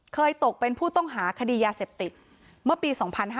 ตกเป็นผู้ต้องหาคดียาเสพติดเมื่อปี๒๕๕๙